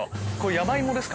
山芋ですか？